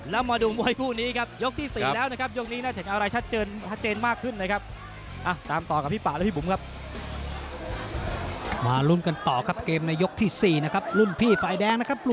และมาดูมวยกู้นี้ครับ